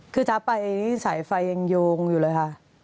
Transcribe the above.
คือจะไปสายไฟยังโยงอยู่เลยค่ะ